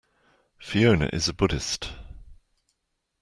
Fiona is a Buddhist.